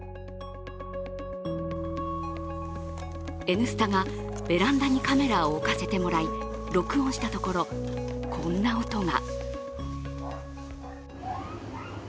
「Ｎスタ」がベランダにカメラを置かせてもらい、録音したところ、こんな音が。